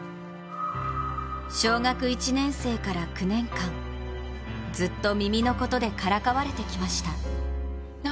小学１年生から９年間、ずっと耳のことでからかわれてきました。